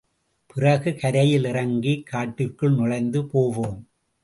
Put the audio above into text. பிறகு, கரையில் இறங்கி, காட்டிற்குள் நுழைந்து போவோம்.